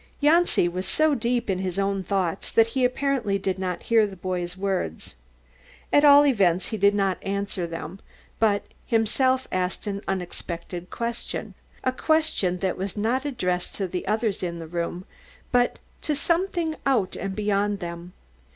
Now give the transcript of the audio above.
Janci was so deep in his own thoughts that he apparently did not hear the boy's words. At all events he did not answer them, but himself asked an unexpected question a question that was not addressed to the others in the room, but to something out and beyond them.